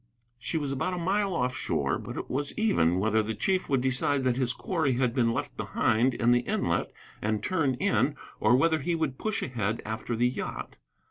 She was about a mile off shore, but it was even whether the chief would decide that his quarry had been left behind in the inlet and turn in, or whether he would push ahead after the yacht.